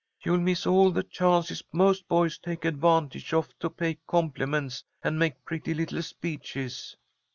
You'll miss all the chances most boys take advantage of to pay compliments and make pretty little speeches."